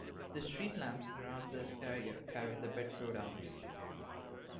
The street lamps around this area carry the Bedford Arms.